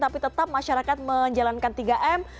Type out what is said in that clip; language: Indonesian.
tapi tetap masyarakat menjalankan tiga m